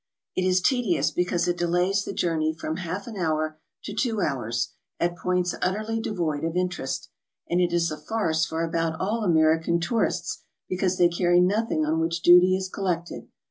It is tedious because it delays the journey from half an hour to two hours, at points utterly devoid of interest; and it is a farce for about all American tourists because they carry nothing on which duty is collected.